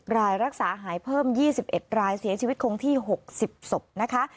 รายรักษาหายเพิ่ม๒๑รายเสียชีวิตคงที่๖๐ศพนะคะ